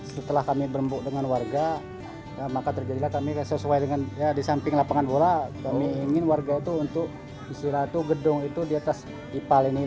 setelah kami berembuk dengan warga maka terjadilah kami sesuai dengan ya di samping lapangan bola kami ingin warga itu untuk istirahat itu gedung itu di atas ipal ini